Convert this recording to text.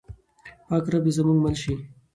پاک رب دې زموږ مل شي.